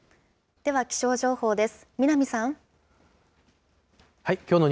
では気象情報です。